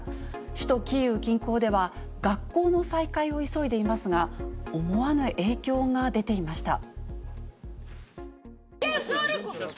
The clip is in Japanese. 首都キーウ近郊では、学校の再開を急いでいますが、思わぬ影響が出ていました。